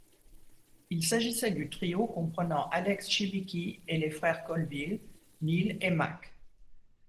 Il s'agissait du trio comprenant Alex Shibicky et les frères Colville, Neil et Mac.